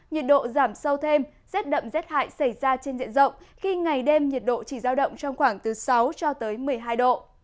nhiệt độ giảm sâu thêm rét đậm rét hại xảy ra trên diện rộng khi ngày đêm nhiệt độ chỉ giao động trong khoảng từ sáu cho tới một mươi hai độ